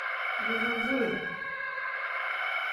Duzusuure.